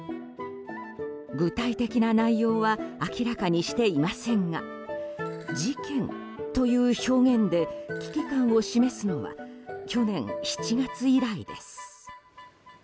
具体的な内容は明らかにしていませんが事件という表現で危機感を示すのは去年７月以来です。